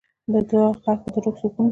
د دعا غږ د روح سکون دی.